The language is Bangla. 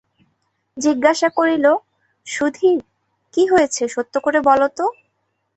জিজ্ঞাসা করিল, সুধীর, কী হয়েছে সত্য করে বলো তো।